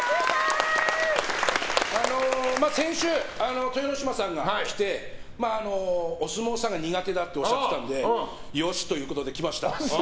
先週、豊ノ島さんが来てお相撲さんが苦手だとおっしゃってたのでよしということで、来ました。